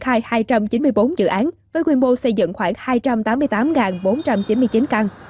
khai hai trăm chín mươi bốn dự án với quy mô xây dựng khoảng hai trăm tám mươi tám bốn trăm chín mươi chín căn